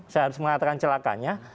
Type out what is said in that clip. saya harus mengatakan celakanya